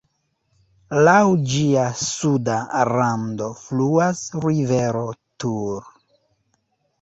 Laŭ ĝia suda rando fluas rivero Tur.